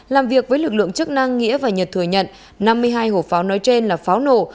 làm việc với lực lượng chức năng nghĩa và nhật thừa nhận năm mươi hai hộp pháo nói trên là pháo nổ